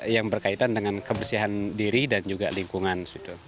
yang berkaitan dengan kebersihan diri dan juga lingkungan